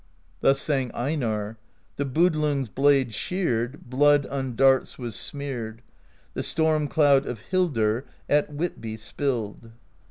Thus sang Einarr: The Budlung's blade sheared, Blood on darts was smeared; The storm cloud of Hildr At Whitby spilled.